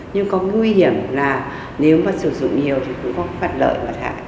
nhưng có nguy hiểm là nếu mà sử dụng nhiều thì cũng có phạt lợi mặt hại